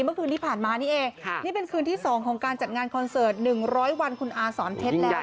ก็คือนี้ผ่านมานี่เองนี่เป็นคืนที่สองของการจัดงานคอนเสิร์ต๑๐๐วันคุณอาสรเทศแล้วนะคะ